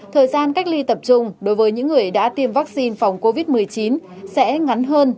thời gian cách ly tập trung đối với những người đã tiêm vaccine phòng covid một mươi chín sẽ ngắn hơn